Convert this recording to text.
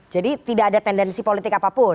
jadi tidak ada tendensi politik apapun